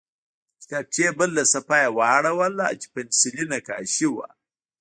د کتابچې بله صفحه یې واړوله چې پنسلي نقاشي وه